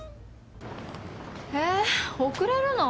ええ遅れるの？